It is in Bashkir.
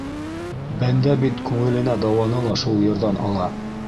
Бәндә бит күңеленә дауаны ла шул йырҙан ала.